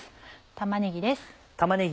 玉ねぎです。